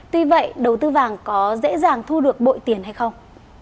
tuy vậy đầu tư vàng có dễ dàng thu được bội tiền hay không